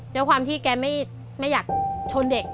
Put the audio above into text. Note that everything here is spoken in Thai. ด้วยความที่แกไม่อยากชนเด็ก